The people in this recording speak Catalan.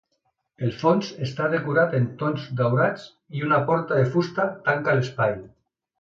El fons està decorat en tons daurats i una porta de fusta tanca l'espai.